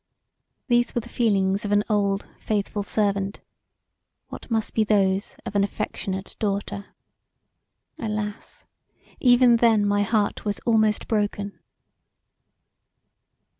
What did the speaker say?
These were the feelings of an old, faithful servant: what must be those of an affectionate daughter. Alas! Even then my heart was almost broken.